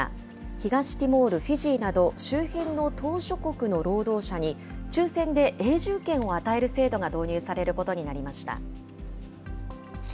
東ティモール、フィジーなど、周辺の島しょ国の労働者に、抽せんで永住権を与える制度が導入されることになりました。